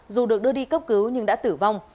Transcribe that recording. dù được đưa đi cấp cứu nhưng đã tử vong